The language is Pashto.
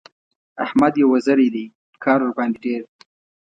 احمد يو وزری دی؛ کار ورباندې ډېر دی.